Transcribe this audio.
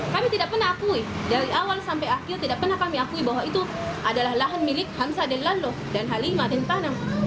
kami tidak pernah akui dari awal sampai akhir tidak pernah kami akui bahwa itu adalah lahan milik hamzah daeng lalo dan halimah daeng tanang